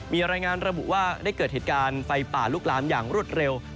มีรายงานระบุว่าได้เกิดเหตุการณ์ไฟป่าลุกลามอย่างรวดเร็ว